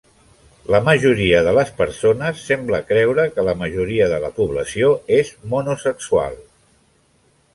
La majoria de les persones sembla creure que la majoria de la població és monosexual.